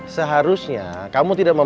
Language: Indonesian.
seharusnya kamu tidak mau